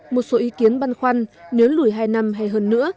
một số ý kiến băn khoăn nếu lùi hai năm hay hơn nữa